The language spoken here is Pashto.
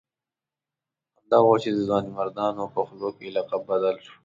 همدغه وو چې د ځوانمردانو په خولو کې یې لقب بدل شو.